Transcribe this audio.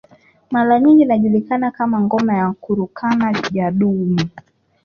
Mara nyingine inajulikana kama ngoma ya kurukan Jadumu